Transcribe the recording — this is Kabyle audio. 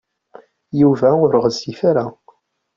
Yuba ur ɣezzif ara.